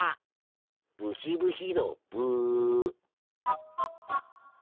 ブヒブヒのブ。